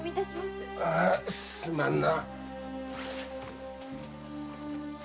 ああすまんな。